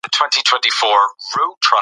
ریښتیا ویل د زړه سکون دی.